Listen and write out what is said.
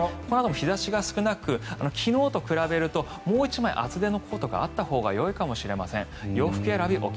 このあとも日差しが少なく昨日と比べるともう１枚厚手のコートがあったほうがよいかもしれません洋服選び